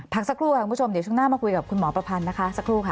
สักครู่ค่ะคุณผู้ชมเดี๋ยวช่วงหน้ามาคุยกับคุณหมอประพันธ์นะคะสักครู่ค่ะ